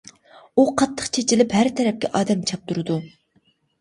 ئۇ قاتتىق چېچىلىپ ھەر تەرەپكە ئادەم چاپتۇرىدۇ.